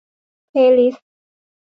เพลย์ลิสต์